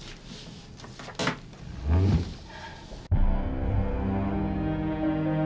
kalau anak kita masih hidup